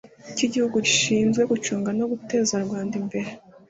cy Igihugu gishinzwe gucunga no guteza Rwanda imbere